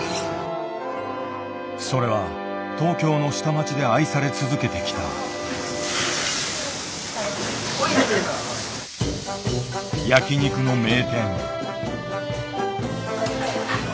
それは東京の下町で愛され続けてきた焼き肉の名店。